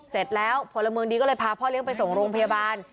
เสร็จแล้วพลเมืองดีก็เลยพาพ่อเลี้ยงไปส่งโรงพยาบาล